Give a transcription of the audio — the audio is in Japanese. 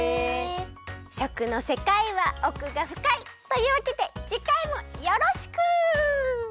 しょくのせかいはおくがふかい！というわけでじかいもよろしく！バイバイ。